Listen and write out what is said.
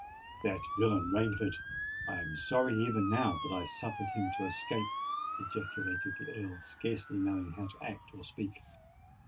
"That villain Rainford! I am sorry even now that I suffered him to escape!" ejaculated the Earl, scarcely knowing how to act or speak.